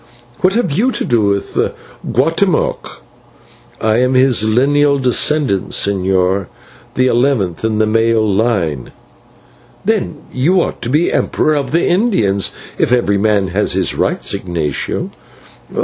What have you to do with Guatemoc?" "I am his lineal descendant, señor, the eleventh in the male line." "Then you ought to be Emperor of the Indians if every man had his rights, Ignatio."